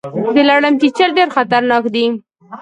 د لړم چیچل ډیر خطرناک دي